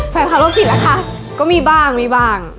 แฟนภารกิจละคะก็มีบ้าง